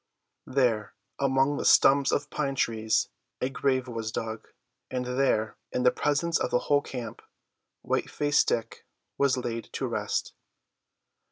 There, among the stumps of pine trees, a grave was dug, and there, in the presence of the whole camp, White faced Dick was laid to rest.